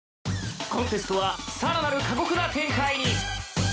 ［コンテストはさらなる過酷な展開に］